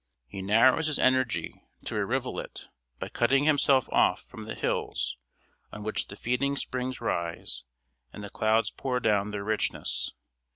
He narrows his energy to a rivulet by cutting himself off from the hills on which the feeding springs rise and the clouds pour down their richness.